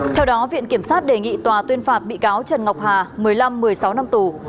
theo đó viện kiểm sát đề nghị tòa tuyên phạt bị cáo trần ngọc hà một mươi năm một mươi sáu năm tù